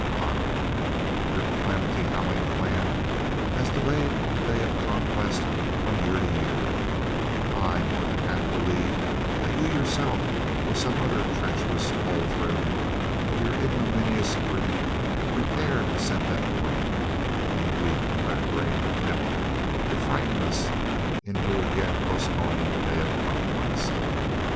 Bah! Your calamity howling clan has delayed the Day of Conquest from year to year I more than half believe that you yourself or some other treacherous poltroon of your ignominious breed prepared and sent that warning, in a weak and rat brained attempt to frighten us into again postponing the Day of Conquest!